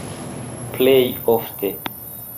Plej ofte.